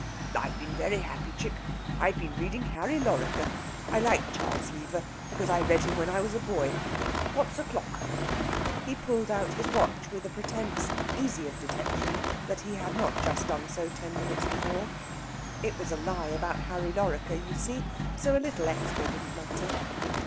"I've been very happy, chick. I've been reading 'Harry Lorrequer.' I like Charles Lever, because I read him when I was a boy. What's o'clock?" He pulled out his watch with a pretence, easy of detection, that he had not just done so ten minutes before. It was a lie about "Harry Lorrequer," you see, so a little extra didn't matter.